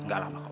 nggak lama om